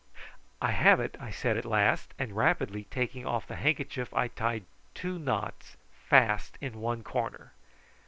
"I have it!" I said at last; and rapidly taking off the handkerchief I tied two knots fast in one corner.